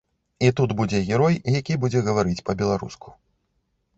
І тут будзе герой які будзе гаварыць па-беларуску.